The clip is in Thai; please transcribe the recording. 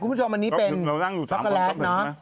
คุณผู้ชมอันนี้เป็นช็อกโกแลตเนอะ